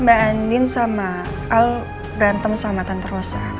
mbak andin sama al berantem sama tante rosa